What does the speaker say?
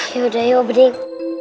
yaudah yuk beding